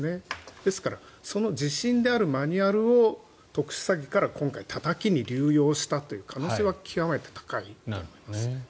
ですからその自信であるマニュアルを特殊詐欺から今回たたきに流用したという可能性は極めて高いと思います。